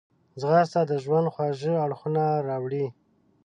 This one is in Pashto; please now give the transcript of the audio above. ځغاسته د ژوند خوږ اړخونه راوړي